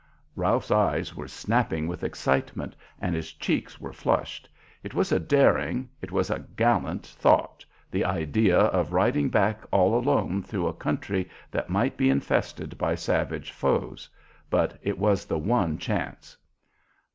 Ralph's eyes were snapping with excitement and his cheeks were flushed. It was a daring, it was a gallant, thought, the idea of riding back all alone through a country that might be infested by savage foes; but it was the one chance.